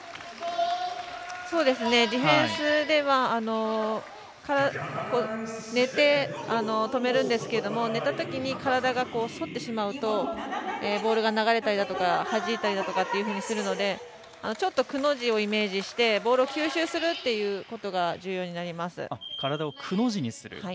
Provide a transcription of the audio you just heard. ディフェンスは寝て止めるんですけど寝たとき、体がそってしまうとボールが流れたりはじいたりするのでちょっと、くの字をイメージしてボールを吸収するということが重要になります。